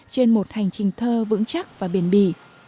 trên một hành trình thơ vững chắc và biển bì